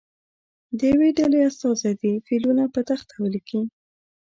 د یوې ډلې استازی دې فعلونه په تخته ولیکي.